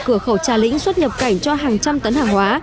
cửa khẩu trà lĩnh xuất nhập cảnh cho hàng trăm tấn hàng hóa